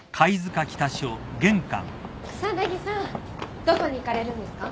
草薙さんどこに行かれるんですか？